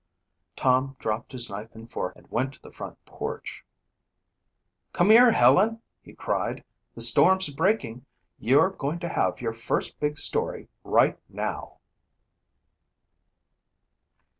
Tom dropped his knife and fork and went to the front porch. "Come here, Helen!" he cried. "The storm's breaking. You're going to have your first big story right now!"